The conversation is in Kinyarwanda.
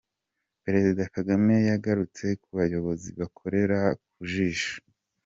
Perezida Kagame yagarutse ku bayobozi bakorera ku jisho.